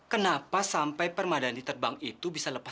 kenapa sampai permadani terbang itu bisa lepas